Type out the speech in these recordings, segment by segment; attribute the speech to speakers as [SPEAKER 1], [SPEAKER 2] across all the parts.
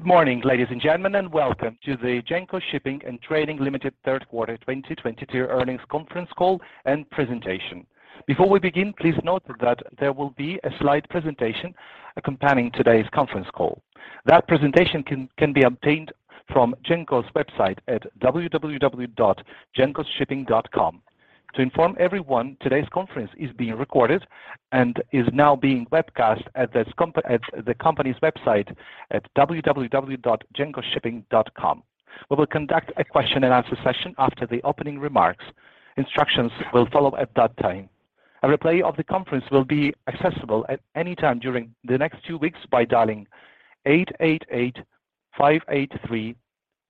[SPEAKER 1] Good morning, ladies and gentlemen, and welcome to the Genco Shipping & Trading Limited Third Quarter 2022 Earnings Conference Call and Presentation. Before we begin, please note that there will be a slide presentation accompanying today's conference call. That presentation can be obtained from Genco's website at www.gencoshipping.com. To inform everyone, today's conference is being recorded and is now being webcast at the company's website at www.gencoshipping.com. We will conduct a question-and-answer session after the opening remarks. Instructions will follow at that time. A replay of the conference will be accessible at any time during the next two weeks by dialing 8885831035.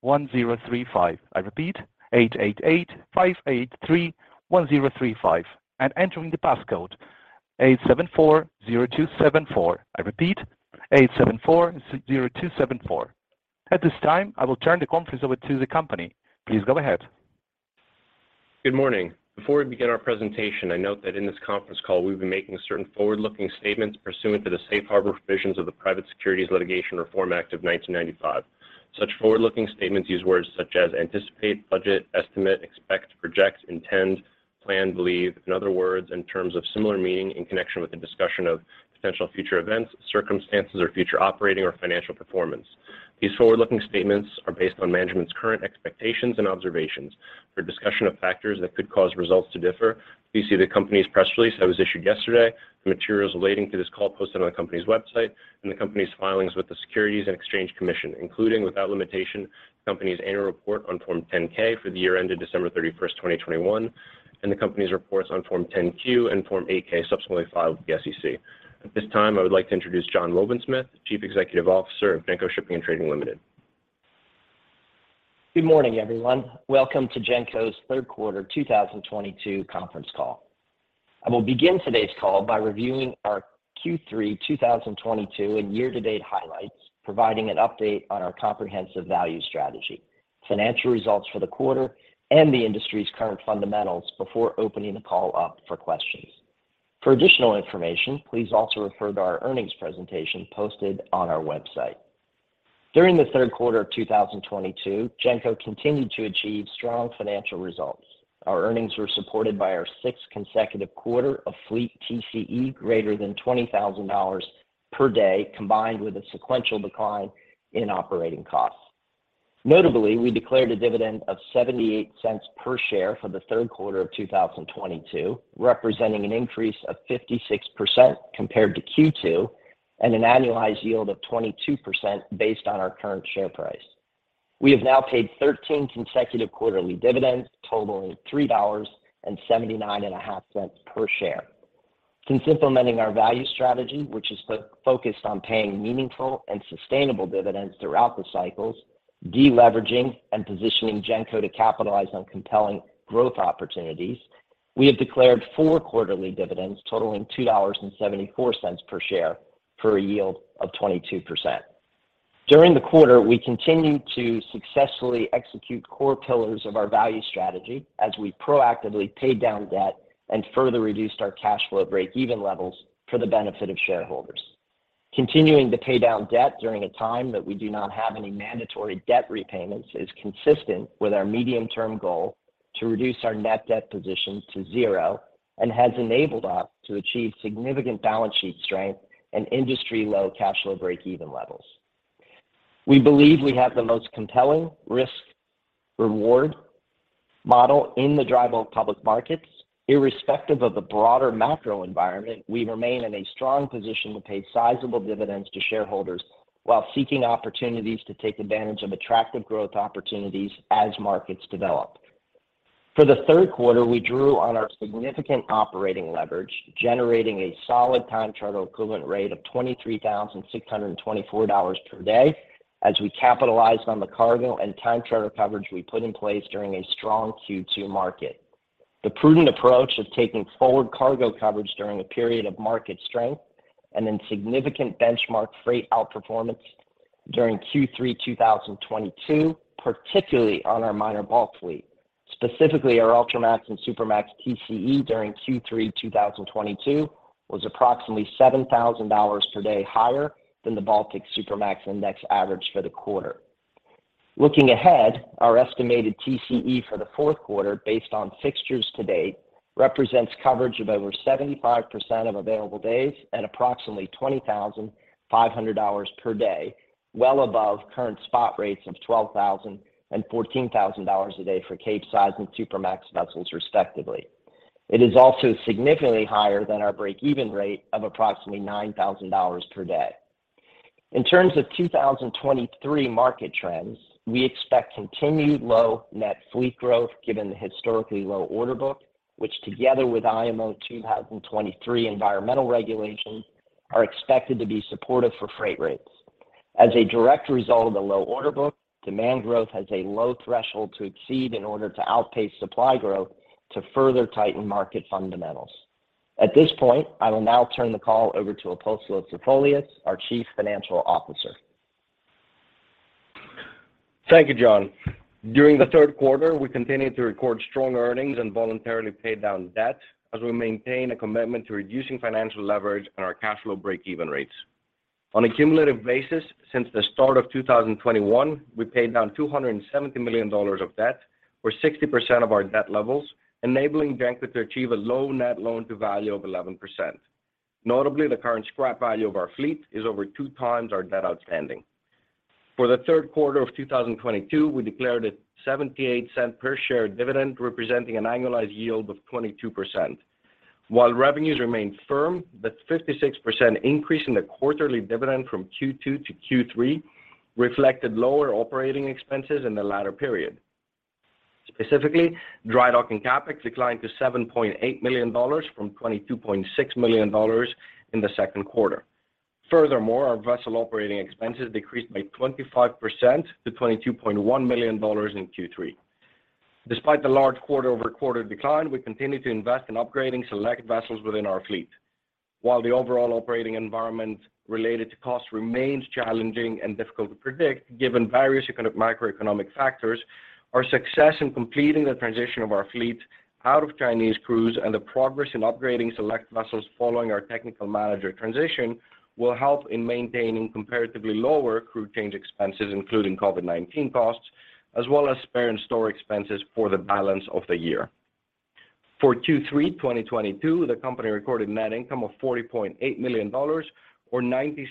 [SPEAKER 1] I repeat, 8885831035, and entering the passcode 8740274. I repeat, 8740274. At this time, I will turn the conference over to the company. Please go ahead.
[SPEAKER 2] Good morning. Before we begin our presentation, I note that in this conference call we will be making certain forward-looking statements pursuant to the Safe Harbor provisions of the Private Securities Litigation Reform Act of 1995. Such forward-looking statements use words such as anticipate, budget, estimate, expect, project, intend, plan, believe, and other words and terms of similar meaning in connection with the discussion of potential future events, circumstances or future operating or financial performance. These forward-looking statements are based on management's current expectations and observations. For a discussion of factors that could cause results to differ, please see the company's press release that was issued yesterday, the materials relating to this call posted on the company's website and the company's filings with the Securities and Exchange Commission, including, without limitation, the company's annual report on Form 10-K for the year ended December 31st, 2021, and the company's reports on Form 10-Q and Form 8-K subsequently filed with the SEC. At this time, I would like to introduce John Wobensmith, Chief Executive Officer of Genco Shipping & Trading Limited.
[SPEAKER 3] Good morning, everyone. Welcome to Genco's Third Quarter 2022 conference call. I will begin today's call by reviewing our Q3 2022 and year-to-date highlights, providing an update on our comprehensive value strategy, financial results for the quarter and the industry's current fundamentals before opening the call up for questions. For additional information, please also refer to our earnings presentation posted on our website. During the third quarter of 2022, Genco continued to achieve strong financial results. Our earnings were supported by our sixth consecutive quarter of fleet TCE greater than $20,000 per day, combined with a sequential decline in operating costs. Notably, we declared a dividend of $0.78 per share for the third quarter of 2022, representing an increase of 56% compared to Q2 and an annualized yield of 22% based on our current share price. We have now paid 13 consecutive quarterly dividends totaling $3.795 per share. Since implementing our value strategy, which is focused on paying meaningful and sustainable dividends throughout the cycles, de-leveraging and positioning Genco to capitalize on compelling growth opportunities, we have declared four quarterly dividends totaling $2.74 per share for a yield of 22%. During the quarter, we continued to successfully execute core pillars of our value strategy as we proactively paid down debt and further reduced our cash flow breakeven levels for the benefit of shareholders. Continuing to pay down debt during a time that we do not have any mandatory debt repayments is consistent with our medium-term goal to reduce our net debt position to zero and has enabled us to achieve significant balance sheet strength and industry-low cash flow breakeven levels. We believe we have the most compelling risk-reward model in the dry bulk public markets. Irrespective of the broader macro environment, we remain in a strong position to pay sizable dividends to shareholders while seeking opportunities to take advantage of attractive growth opportunities as markets develop. For the third quarter, we drew on our significant operating leverage, generating a solid time charter equivalent rate of $23,624 per day as we capitalized on the cargo and time charter coverage we put in place during a strong Q2 market. The prudent approach of taking forward cargo coverage during a period of market strength and in significant benchmark freight outperformance during Q3 2022, particularly on our minor bulk fleet. Specifically, our Ultramax and Supramax TCE during Q3 2022 was approximately $7,000 per day higher than the Baltic Supramax Index average for the quarter. Looking ahead, our estimated TCE for the fourth quarter based on fixtures to date represents coverage of over 75% of available days at approximately $20,500 per day, well above current spot rates of $12,000 and $14,000 a day for Capesize and Supramax vessels respectively. It is also significantly higher than our breakeven rate of approximately $9,000 per day. In terms of 2023 market trends, we expect continued low net fleet growth given the historically low order book, which together with IMO 2023 environmental regulations are expected to be supportive for freight rates. As a direct result of the low order book, demand growth has a low threshold to exceed in order to outpace supply growth to further tighten market fundamentals. At this point, I will now turn the call over to Apostolos Zafolias, our Chief Financial Officer.
[SPEAKER 4] Thank you, John. During the third quarter, we continued to record strong earnings and voluntarily pay down debt as we maintain a commitment to reducing financial leverage and our cash flow breakeven rates. On a cumulative basis since the start of 2021, we paid down $270 million of debt or 60% of our debt levels, enabling Genco to achieve a low net loan to value of 11%. Notably, the current scrap value of our fleet is over 2x our debt outstanding. For the third quarter of 2022, we declared a $0.78 per share dividend, representing an annualized yield of 22%. While revenues remained firm, the 56% increase in the quarterly dividend from Q2 to Q3 reflected lower operating expenses in the latter period. Specifically, drydock and CapEx declined to $7.8 million from $22.6 million in the second quarter. Furthermore, our vessel operating expenses decreased by 25% to $22.1 million in Q3. Despite the large quarter-over-quarter decline, we continued to invest in upgrading select vessels within our fleet. While the overall operating environment related to cost remains challenging and difficult to predict given various macroeconomic factors, our success in completing the transition of our fleet out of Chinese crews and the progress in upgrading select vessels following our technical manager transition will help in maintaining comparatively lower crew change expenses, including COVID-19 costs, as well as spare and store expenses for the balance of the year. For Q3 2022, the company recorded net income of $40.8 million or $0.96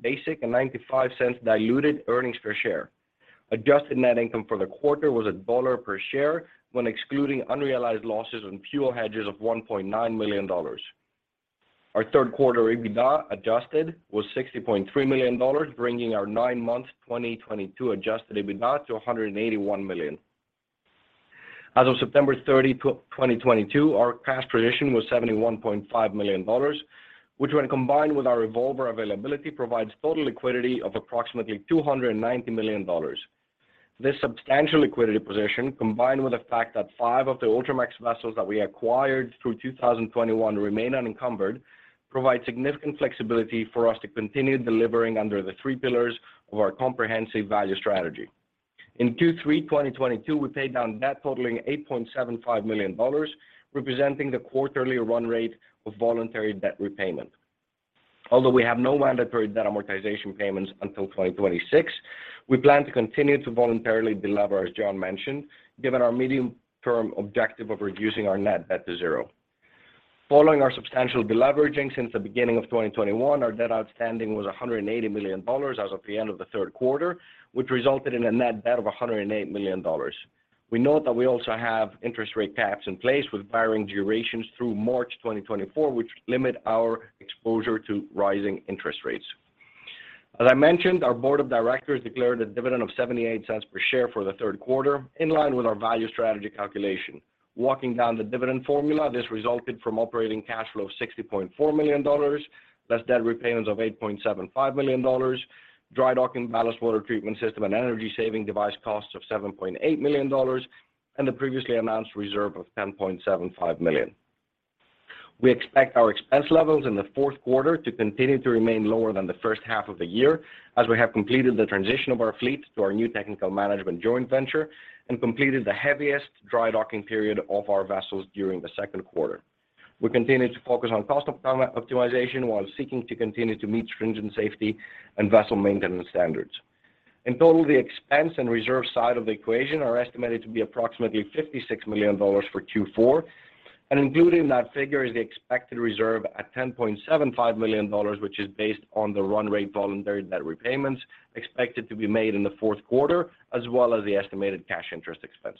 [SPEAKER 4] basic and $0.95 diluted earnings per share. Adjusted net income for the quarter was $1 per share when excluding unrealized losses on fuel hedges of $1.9 million. Our third quarter EBITDA adjusted was $60.3 million, bringing our nine-month 2022 adjusted EBITDA to $181 million. As of September 30, 2022, our cash position was $71.5 million, which when combined with our revolver availability provides total liquidity of approximately $290 million. This substantial liquidity position, combined with the fact that five of the Ultramax vessels that we acquired through 2021 remain unencumbered, provide significant flexibility for us to continue delivering under the three pillars of our comprehensive value strategy. In Q3 2022, we paid down debt totaling $8.75 million, representing the quarterly run rate of voluntary debt repayment. Although we have no mandatory debt amortization payments until 2026, we plan to continue to voluntarily delever, as John mentioned, given our medium-term objective of reducing our net debt to zero. Following our substantial deleveraging since the beginning of 2021, our debt outstanding was $180 million as of the end of the third quarter, which resulted in a net debt of $180 million. We note that we also have interest rate caps in place with varying durations through March 2024, which limit our exposure to rising interest rates. As I mentioned, our Board of Directors declared a dividend of $0.78 per share for the third quarter, in line with our value strategy calculation. Walking down the dividend formula, this resulted from operating cash flow of $60.4 million, less debt repayments of $8.75 million, drydock and ballast water treatment system and energy saving device costs of $7.8 million, and the previously announced reserve of $10.75 million. We expect our expense levels in the fourth quarter to continue to remain lower than the first half of the year as we have completed the transition of our fleet to our new technical management joint venture and completed the heaviest dry docking period of our vessels during the second quarter. We continue to focus on cost optimization while seeking to continue to meet stringent safety and vessel maintenance standards. In total, the expense and reserve side of the equation are estimated to be approximately $56 million for Q4, and included in that figure is the expected reserve at $10.75 million, which is based on the run rate voluntary debt repayments expected to be made in the fourth quarter, as well as the estimated cash interest expense.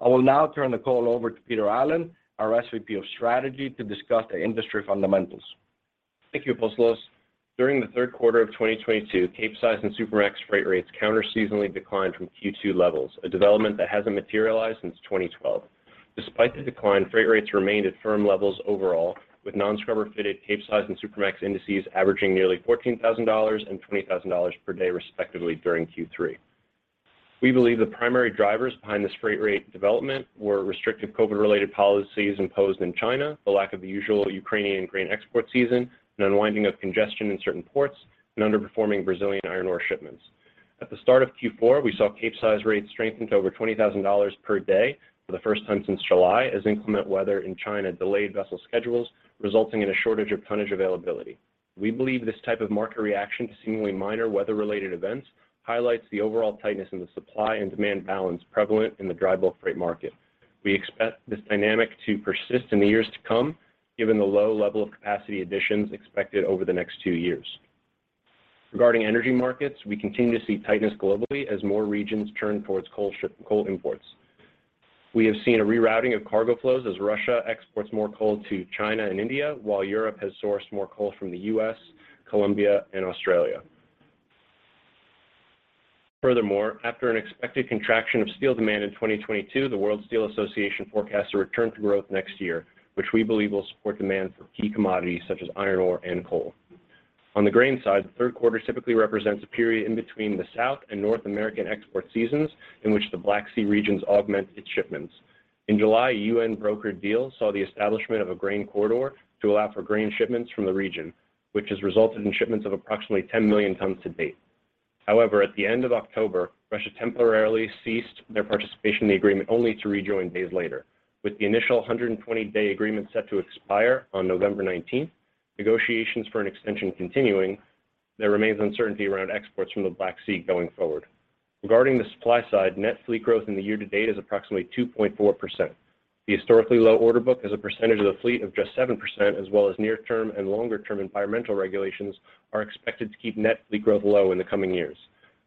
[SPEAKER 4] I will now turn the call over to Peter Allen, our SVP of Strategy, to discuss the industry fundamentals.
[SPEAKER 2] Thank you, Apostolos. During the third quarter of 2022, Capesize and Supramax freight rates counterseasonally declined from Q2 levels, a development that hasn't materialized since 2012. Despite the decline, freight rates remained at firm levels overall, with non-scrubber-fitted Capesize and Supramax indices averaging nearly $14,000 and $20,000 per day, respectively, during Q3. We believe the primary drivers behind this freight rate development were restrictive COVID-related policies imposed in China, the lack of the usual Ukrainian grain export season, an unwinding of congestion in certain ports, and underperforming Brazilian iron ore shipments. At the start of Q4, we saw Capesize rates strengthen to over $20,000 per day for the first time since July as inclement weather in China delayed vessel schedules, resulting in a shortage of tonnage availability. We believe this type of market reaction to seemingly minor weather-related events highlights the overall tightness in the supply and demand balance prevalent in the dry bulk freight market. We expect this dynamic to persist in the years to come given the low level of capacity additions expected over the next two years. Regarding energy markets, we continue to see tightness globally as more regions turn towards coal imports. We have seen a rerouting of cargo flows as Russia exports more coal to China and India while Europe has sourced more coal from the U.S., Colombia, and Australia. Furthermore, after an expected contraction of steel demand in 2022, the World Steel Association forecasts a return to growth next year, which we believe will support demand for key commodities such as iron ore and coal. On the grain side, the third quarter typically represents a period in between the South and North American export seasons in which the Black Sea regions augment its shipments. In July, a UN-brokered deal saw the establishment of a grain corridor to allow for grain shipments from the region, which has resulted in shipments of approximately 10 million tons to date. However, at the end of October, Russia temporarily ceased their participation in the agreement only to rejoin days later. With the initial 120-day agreement set to expire on November 19th, negotiations for an extension continuing, there remains uncertainty around exports from the Black Sea going forward. Regarding the supply side, net fleet growth in the year to date is approximately 2.4%. The historically low order book as a percentage of the fleet of just 7% as well as near-term and longer-term environmental regulations are expected to keep net fleet growth low in the coming years.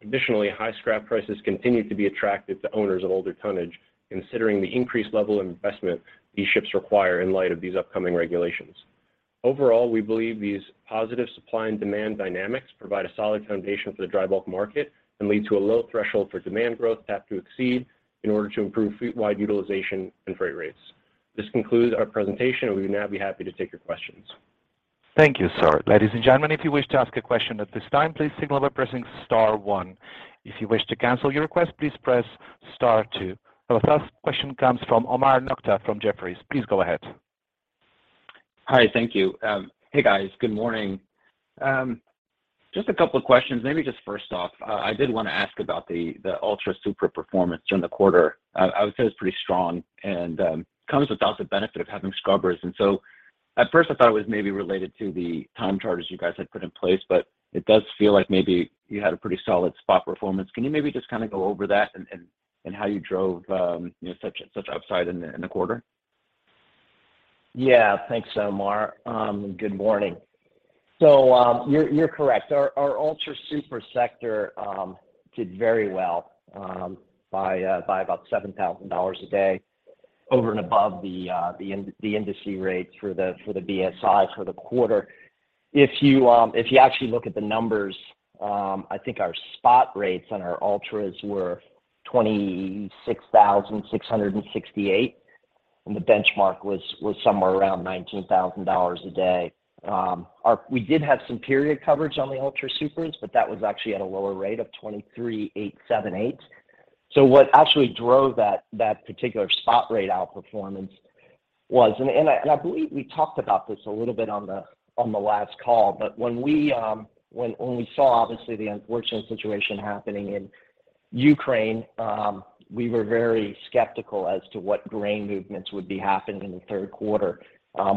[SPEAKER 2] Additionally, high scrap prices continue to be attractive to owners of older tonnage, considering the increased level of investment these ships require in light of these upcoming regulations. Overall, we believe these positive supply and demand dynamics provide a solid foundation for the dry bulk market and lead to a low threshold for demand growth to have to exceed in order to improve fleet-wide utilization and freight rates. This concludes our presentation. We would now be happy to take your questions.
[SPEAKER 1] Thank you, sir. Ladies and gentlemen, if you wish to ask a question at this time, please signal by pressing star one. If you wish to cancel your request, please press star two. Our first question comes from Omar Nokta from Jefferies. Please go ahead.
[SPEAKER 5] Hi. Thank you. Hey, guys. Good morning. Just a couple of questions. Maybe just first off, I did want to ask about the Ultra/Supra performance during the quarter. I would say it's pretty strong and comes with the benefit of having scrubbers. At first I thought it was maybe related to the time charters you guys had put in place, but it does feel like maybe you had a pretty solid spot performance. Can you maybe just kind of go over that and how you drove, you know, such upside in the quarter?
[SPEAKER 3] Yeah. Thanks, Omar. Good morning. You're correct, our Ultra/Supra sector did very well by about $7,000 a day over and above the industry rate for the BSI for the quarter. If you actually look at the numbers, I think our spot rates on our Ultras were $26,668, and the benchmark was somewhere around $19,000 a day. We did have some period coverage on the Ultra/Supras, but that was actually at a lower rate of $23,878. What actually drove that particular spot rate outperformance was. I believe we talked about this a little bit on the last call. When we saw obviously the unfortunate situation happening in Ukraine, we were very skeptical as to what grain movements would be happening in the third quarter,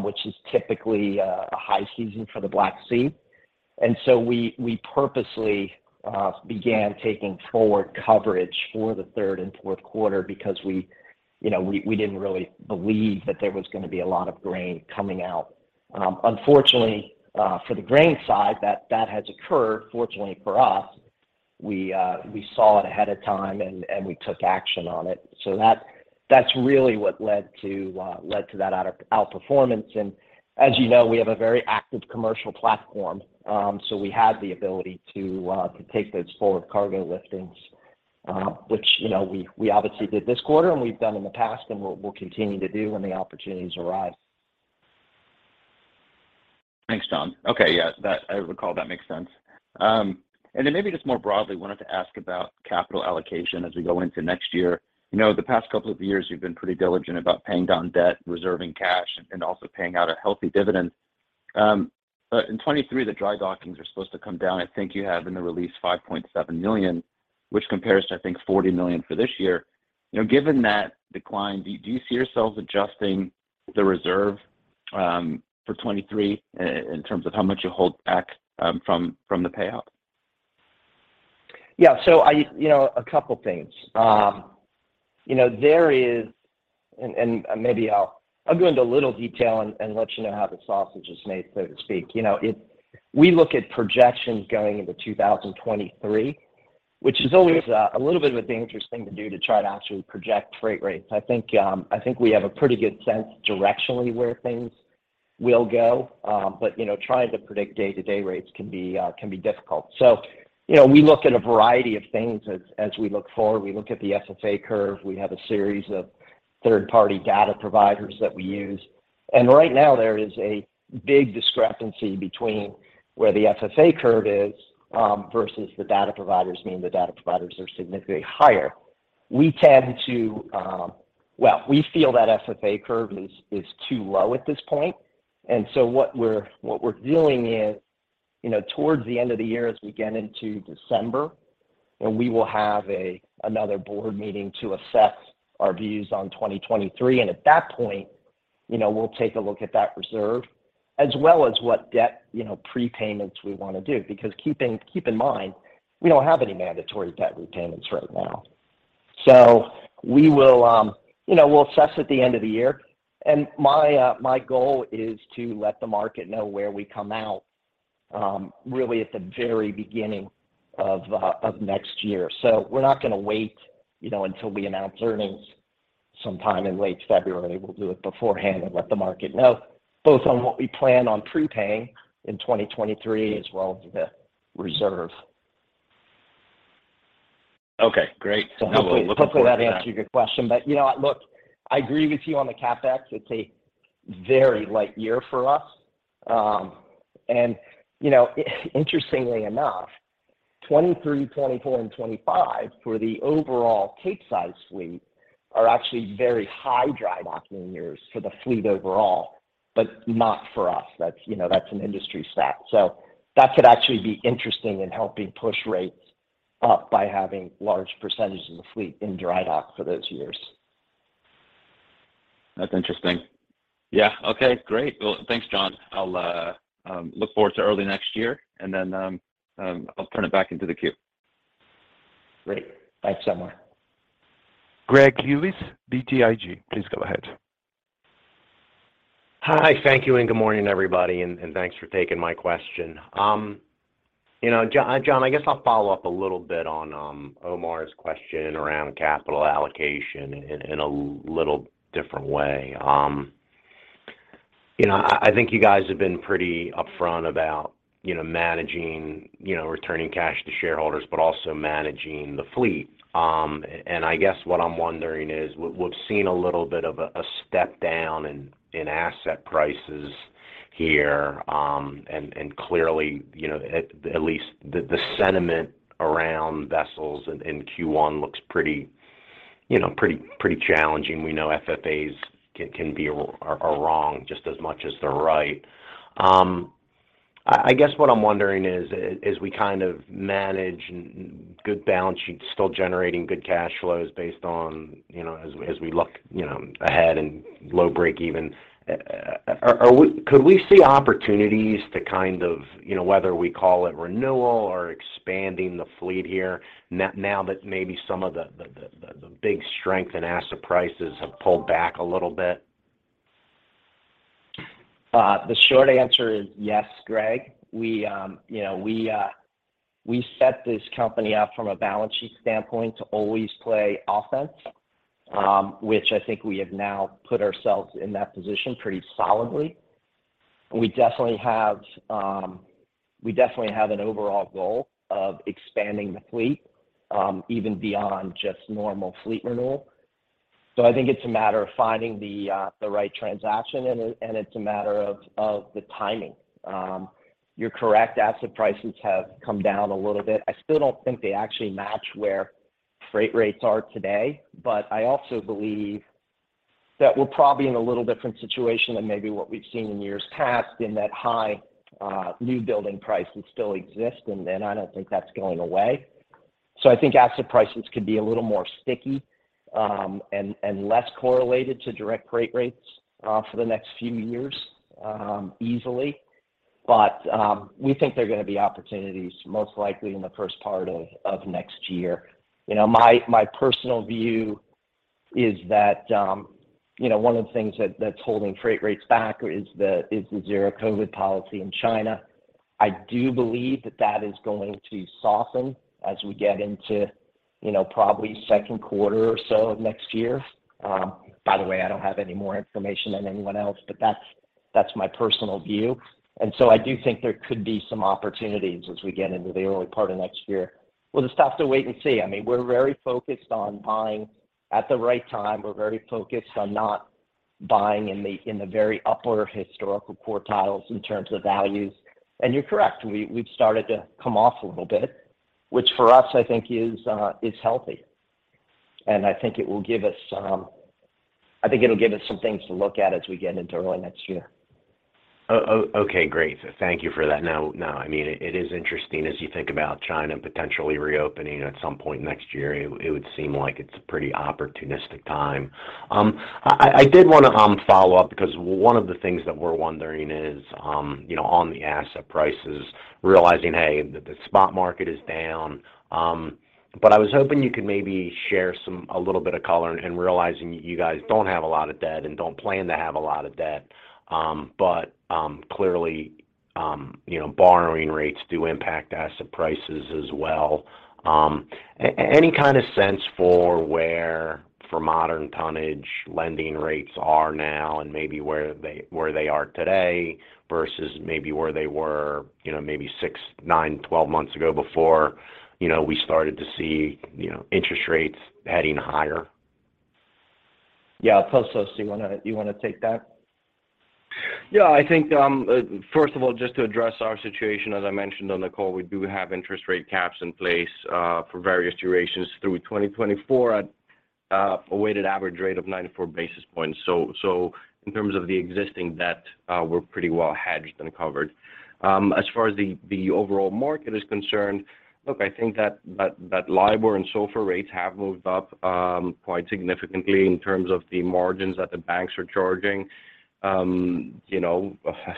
[SPEAKER 3] which is typically a high season for the Black Sea. We purposely began taking forward coverage for the third and fourth quarter because we, you know, we didn't really believe that there was going to be a lot of grain coming out. Unfortunately, for the grain side, that has occurred. Fortunately for us, we saw it ahead of time and we took action on it. That's really what led to that outperformance. As you know, we have a very active commercial platform. We had the ability to take those forward cargo liftings, which, you know, we obviously did this quarter, and we've done in the past, and we'll continue to do when the opportunities arise.
[SPEAKER 5] Thanks, John. Okay. Yeah, I recall that makes sense. Then maybe just more broadly, wanted to ask about capital allocation as we go into next year. You know, the past couple of years, you've been pretty diligent about paying down debt, reserving cash, and also paying out a healthy dividend. But in 2023, the dry dockings are supposed to come down. I think you have in the release $5.7 million, which compares to, I think, $40 million for this year. You know, given that decline, do you see yourselves adjusting the reserve for 2023 in terms of how much you hold back from the payout?
[SPEAKER 3] Yeah. You know, a couple things. You know, maybe I'll go into a little detail and let you know how the sausage is made, so to speak. You know, we look at projections going into 2023, which is always a little bit of a dangerous thing to do to try to actually project freight rates. I think we have a pretty good sense directionally where things will go. You know, trying to predict day-to-day rates can be difficult. You know, we look at a variety of things as we look forward. We look at the FFA curve. We have a series of third-party data providers that we use. Right now there is a big discrepancy between where the FFA curve is versus the data providers, meaning the data providers are significantly higher. We tend to well, we feel that FFA curve is too low at this point. What we're doing is, you know, towards the end of the year as we get into December, and we will have another board meeting to assess our views on 2023, and at that point, you know, we'll take a look at that reserve as well as what debt, you know, prepayments we want to do. Because keep in mind, we don't have any mandatory debt repayments right now. We will, you know, we'll assess at the end of the year. My goal is to let the market know where we come out really at the very beginning of next year. We're not going to wait, you know, until we announce earnings sometime in late February. We'll do it beforehand and let the market know both on what we plan on prepaying in 2023 as well as the reserve.
[SPEAKER 5] Okay, great. I will look forward to that.
[SPEAKER 3] Hopefully that answers your question. You know, look, I agree with you on the CapEx. It's a very light year for us. You know, interestingly enough, 2023, 2024, and 2025 for the overall Capesize fleet are actually very high dry docking years for the fleet overall, but not for us. That's, you know, an industry stat. That could actually be interesting in helping push rates up by having large percentages of the fleet in dry dock for those years.
[SPEAKER 5] That's interesting. Yeah. Okay, great. Well, thanks, John. I'll look forward to early next year, and then I'll turn it back into the queue.
[SPEAKER 3] Great. Thanks, Omar.
[SPEAKER 1] Greg Lewis, BTIG. Please go ahead.
[SPEAKER 6] Hi. Thank you, and good morning, everybody, and thanks for taking my question. You know, John, I guess I'll follow up a little bit on Omar's question around capital allocation in a little different way. You know, I think you guys have been pretty upfront about, you know, managing, you know, returning cash to shareholders, but also managing the fleet. I guess what I'm wondering is we've seen a little bit of a step-down in asset prices here, and clearly, you know, at least the sentiment around vessels in Q1 looks pretty challenging. We know FFAs are wrong just as much as they're right. I guess what I'm wondering is, as we kind of manage m-m. Good balance sheet, still generating good cash flows based on, you know, as we look, you know, ahead and low break-even, could we see opportunities to kind of, you know, whether we call it renewal or expanding the fleet here now that maybe some of the big strength in asset prices have pulled back a little bit?
[SPEAKER 3] The short answer is yes, Greg. We, you know, we set this company up from a balance sheet standpoint to always play offense, which I think we have now put ourselves in that position pretty solidly. We definitely have an overall goal of expanding the fleet, even beyond just normal fleet renewal. I think it's a matter of finding the right transaction and it's a matter of the timing. You're correct, asset prices have come down a little bit. I still don't think they actually match where freight rates are today. I also believe that we're probably in a little different situation than maybe what we've seen in years past in that high new building prices still exist, and then I don't think that's going away. I think asset prices could be a little more sticky, and less correlated to direct freight rates, for the next few years, easily. We think there are gonna be opportunities most likely in the first part of next year. You know, my personal view is that, you know, one of the things that's holding freight rates back is the zero COVID policy in China. I do believe that is going to soften as we get into, you know, probably second quarter or so of next year. By the way, I don't have any more information than anyone else, but that's my personal view. I do think there could be some opportunities as we get into the early part of next year. We'll just have to wait and see. I mean, we're very focused on buying at the right time. We're very focused on not buying in the very upper historical quartiles in terms of values. You're correct, we've started to come off a little bit, which for us, I think is healthy. I think it will give us some things to look at as we get into early next year.
[SPEAKER 6] Okay, great. Thank you for that. Now, I mean, it is interesting as you think about China potentially reopening at some point next year, it would seem like it's a pretty opportunistic time. I did want to follow up because one of the things that we're wondering is, you know, on the asset prices, realizing, hey, the spot market is down. I was hoping you could maybe share a little bit of color and realizing you guys don't have a lot of debt and don't plan to have a lot of debt. Clearly, you know, borrowing rates do impact asset prices as well. Any kind of sense for where modern tonnage lending rates are now and maybe where they are today versus maybe where they were, you know, maybe six, nine, 12 months ago before, you know, we started to see, you know, interest rates heading higher?
[SPEAKER 3] Yeah. Apostolos, do you wanna take that?
[SPEAKER 4] Yeah. I think, first of all, just to address our situation, as I mentioned on the call, we do have interest rate caps in place, for various durations through 2024 at a weighted average rate of 94 basis points. In terms of the existing debt, we're pretty well hedged and covered. As far as the overall market is concerned, look, I think that LIBOR and SOFR rates have moved up, quite significantly in terms of the margins that the banks are charging. You know,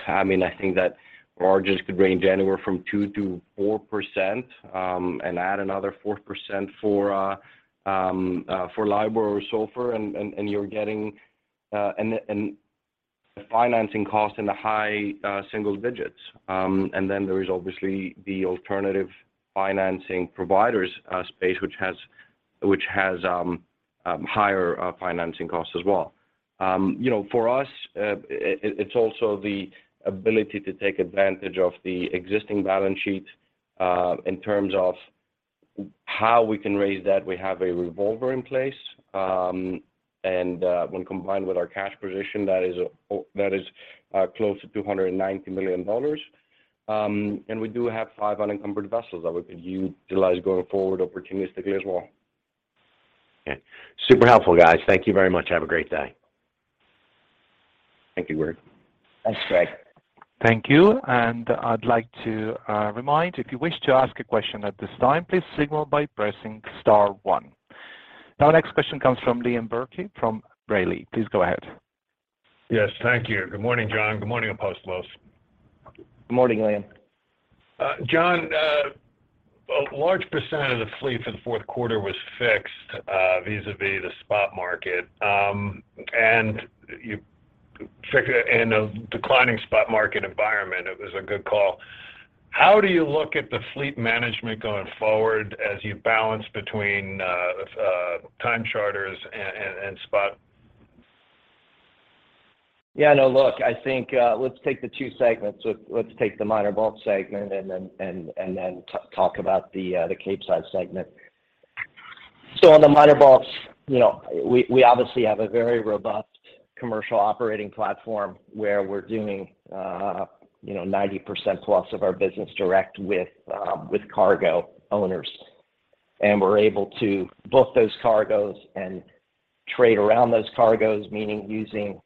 [SPEAKER 4] I mean, I think that margins could range anywhere from 2%-4%, and add another 4% for LIBOR or SOFR, and you're getting a financing cost in the high single digits. There is obviously the alternative financing providers space, which has higher financing costs as well. You know, for us, it's also the ability to take advantage of the existing balance sheet in terms of How we can raise that, we have a revolver in place, and when combined with our cash position, that is close to $290 million. We do have five unencumbered vessels that we can utilize going forward opportunistically as well.
[SPEAKER 6] Okay. Super helpful, guys. Thank you very much. Have a great day.
[SPEAKER 4] Thank you, Greg.
[SPEAKER 3] Thanks, Greg.
[SPEAKER 1] Thank you. I'd like to remind if you wish to ask a question at this time, please signal by pressing star one. Now next question comes from Liam Burke from B. Riley. Please go ahead.
[SPEAKER 7] Yes. Thank you. Good morning, John. Good morning, Apostolos.
[SPEAKER 3] Good morning, Liam.
[SPEAKER 7] John, a large percent of the fleet for the fourth quarter was fixed, vis-à-vis the spot market, and you fixed it in a declining spot market environment. It was a good call. How do you look at the fleet management going forward as you balance between time charters and spot?
[SPEAKER 3] Yeah, no, look, I think, let's take the two segments. Let's take the minor bulk segment and then talk about the Capesize segment. On the minor bulks, you know, we obviously have a very robust commercial operating platform where we're doing, you know, 90% plus of our business direct with cargo owners. We're able to book those cargoes and trade around those cargoes, meaning using,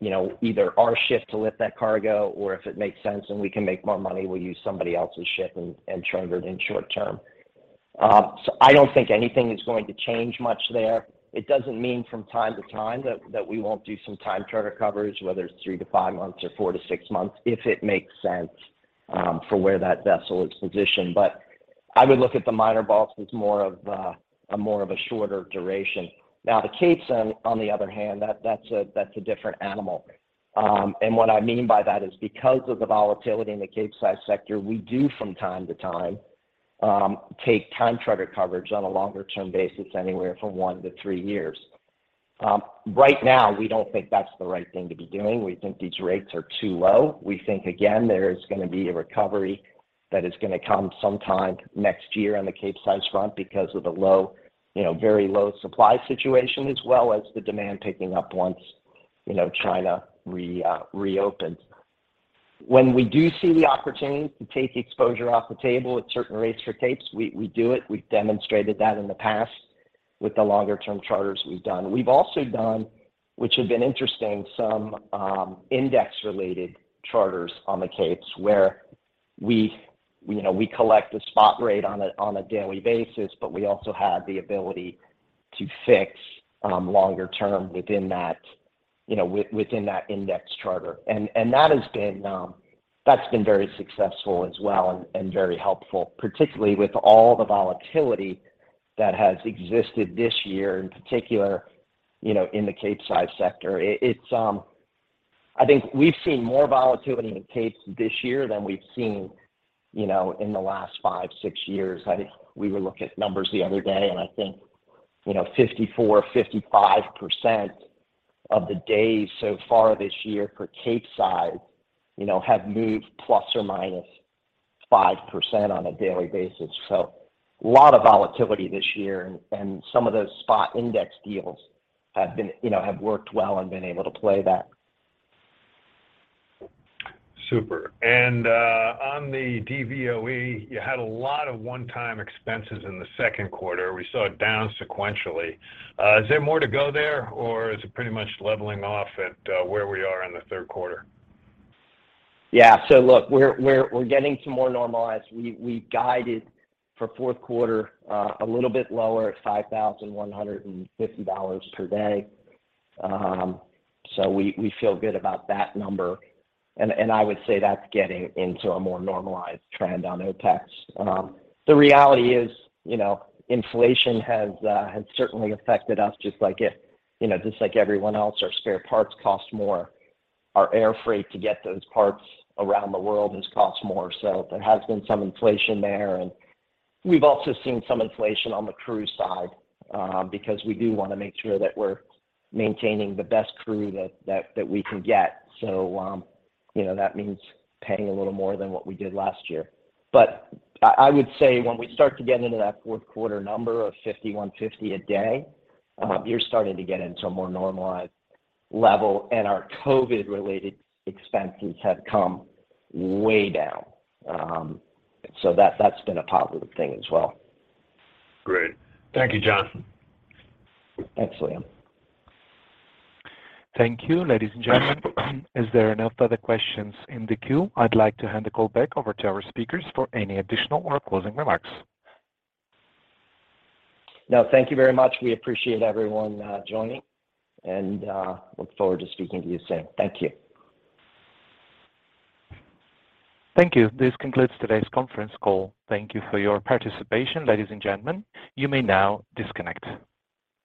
[SPEAKER 3] you know, either our ship to lift that cargo, or if it makes sense and we can make more money, we'll use somebody else's ship and charter it in short term. I don't think anything is going to change much there. It doesn't mean from time to time that we won't do some time charter coverage, whether it's three to five months or four to six months, if it makes sense, for where that vessel is positioned. I would look at the minor bulks as more of a shorter duration. Now, the Capes on the other hand, that's a different animal. What I mean by that is because of the volatility in the Capesize sector, we do from time to time take time charter coverage on a longer term basis, anywhere from one to three years. Right now, we don't think that's the right thing to be doing. We think these rates are too low. We think, again, there is going to be a recovery that is going to come sometime next year on the Capesize front because of the low, you know, very low supply situation, as well as the demand picking up once, you know, China reopens. When we do see the opportunity to take exposure off the table at certain rates for Capes, we do it. We've demonstrated that in the past with the longer-term charters we've done. We've also done, which have been interesting, some index-related charters on the Capes, where we, you know, we collect a spot rate on a daily basis, but we also have the ability to fix longer term within that, you know, within that index charter. That has been very successful as well and very helpful, particularly with all the volatility that has existed this year, in particular, you know, in the Capesize sector. It's. I think we've seen more volatility in the Capes this year than we've seen, you know, in the last five, six years. I think we were looking at numbers the other day, and I think, you know, 54%-55% of the days so far this year for Capesize, you know, have moved ±5% on a daily basis. A lot of volatility this year, and some of those spot index deals have been, you know, have worked well and been able to play that.
[SPEAKER 7] Super. On the DVOE, you had a lot of one-time expenses in the second quarter. We saw it down sequentially. Is there more to go there, or is it pretty much leveling off at where we are in the third quarter?
[SPEAKER 3] Yeah. Look, we're getting to more normalized. We guided for fourth quarter, a little bit lower at $5,150 per day. We feel good about that number. I would say that's getting into a more normalized trend on OpEx. The reality is, you know, inflation has certainly affected us just like you know, just like everyone else. Our spare parts cost more. Our air freight to get those parts around the world has cost more. There has been some inflation there. We've also seen some inflation on the crew side, because we do want to make sure that we're maintaining the best crew that we can get. You know, that means paying a little more than what we did last year. I would say when we start to get into that fourth quarter number of $5,150 a day, you're starting to get into a more normalized level, and our COVID-related expenses have come way down. That's been a positive thing as well.
[SPEAKER 7] Great. Thank you, John.
[SPEAKER 3] Thanks, Liam.
[SPEAKER 1] Thank you. Ladies and gentlemen, is there any other questions in the queue? I'd like to hand the call back over to our speakers for any additional or closing remarks.
[SPEAKER 3] No, thank you very much. We appreciate everyone joining and look forward to speaking to you soon. Thank you.
[SPEAKER 1] Thank you. This concludes today's conference call. Thank you for your participation. Ladies and gentlemen, you may now disconnect.